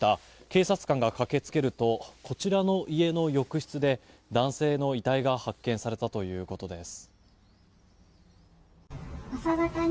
警察官が駆け付けるとこちらの家の浴室で男性の遺体が発見されたということです。